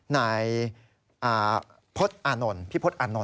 นายพล็อตอานนท์